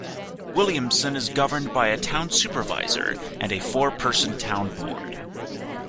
Williamson is governed by a Town Supervisor and a four-person Town Board.